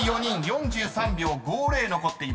４３秒５０残っています］